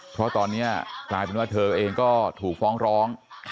เพราะตอนนี้กลายเป็นว่าเธอเองก็ถูกฟ้องร้อง